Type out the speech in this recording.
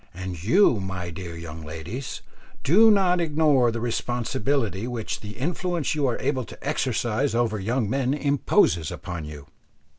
And you, my dear young ladies, do not ignore the responsibility which the influence you are able to exercise over young men imposes upon you.